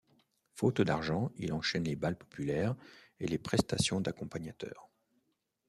Faute d'argent, il enchaîne les bals populaires et les prestations d'accompagnateur.